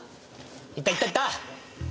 いったいったいった！